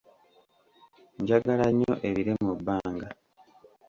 Njagala nnyo ebire mu bbanga.